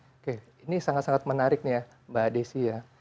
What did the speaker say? oke ini sangat sangat menarik nih ya mbak desi ya